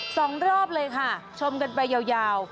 สองรอบเลยค่ะชมกันไปยาวยาว